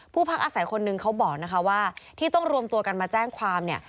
พักอาศัยคนนึงเขาบอกนะคะว่าที่ต้องรวมตัวกันมาแจ้งความเนี่ย